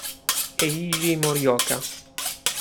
Eiji Morioka